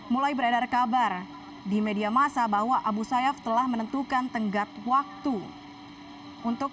mulai beredar kabar di media masa bahwa abu sayyaf telah menentukan tenggat waktu untuk